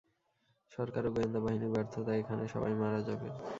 সরকার ও গোয়েন্দা বাহিনীর ব্যর্থতায় এখানের সবাই মারা যাবে।